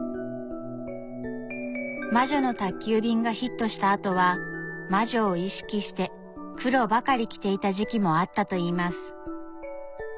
「魔女の宅急便」がヒットしたあとは魔女を意識して黒ばかり着ていた時期もあったといいます。